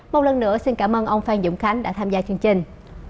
một lần nữa xin cảm ơn ông phan dũng khánh đã tham gia chương trình